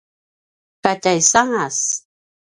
ka tjaisangas